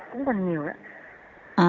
cũng còn nhiều ạ